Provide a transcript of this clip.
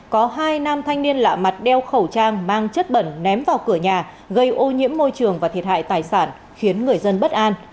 có hai nam thanh niên lạ mặt đeo khẩu trang mang chất bẩn ném vào cửa nhà gây ô nhiễm môi trường và thiệt hại tài sản khiến người dân bất an